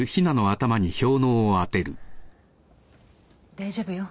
大丈夫よ。